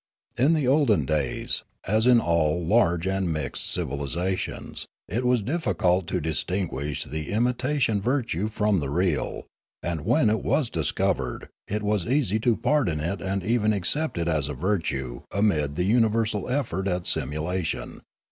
In the olden days, as in all large and mixed civilisations, it was difficult to distinguish the imitation virtue from the real, and when it was discovered it was easy to pardon it and even accept it as a virtue amid the universal effort at simulation.